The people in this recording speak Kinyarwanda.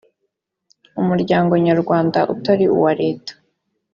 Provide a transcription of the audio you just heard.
umuryango nyarwanda utari uwa leta